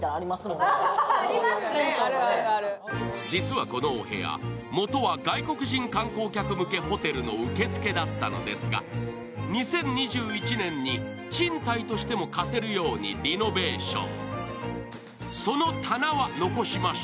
実はこのお部屋、もとは外国人観光客向けホテルの受付だったのですが、２０２１年に賃貸としても貸せるようにリノベーション。